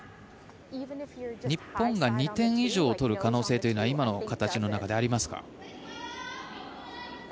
日本が２点以上取る可能性は今の形の中でありますか？